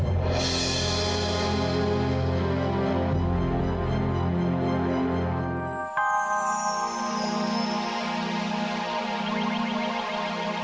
aku akan ikut berlibur denganmu